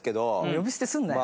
呼び捨てすんなよ。